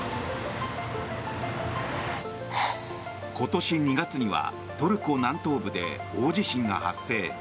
今月２月にはトルコ南東部で大地震が発生。